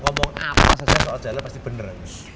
ngomong apa saja soal jalan pasti benar